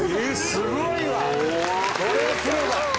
すごいわ！」